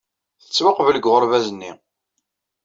Tettwaqbel deg uɣerbaz-nni.